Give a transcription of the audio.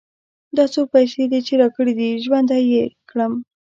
دا څو پيسې چې دې راکړې؛ ژوندی يې کړم.